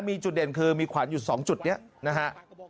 มีจุดเด่นคือมีขวัญอยู่๒จุดนี้นะฮะ